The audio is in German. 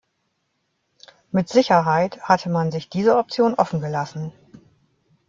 Mit Sicherheit hatte man sich diese Option offengelassen.